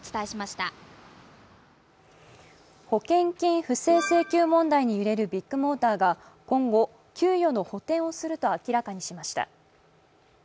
保険金不正請求問題に揺れるビッグモーターが今後、給与の補填をすると明らかにしました。